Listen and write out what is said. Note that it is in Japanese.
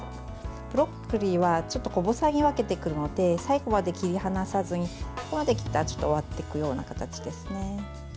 ブロッコリーはちょっと小房に分けていくので最後まで切り離さずにここまで切ったらちょっと割っていくような形ですね。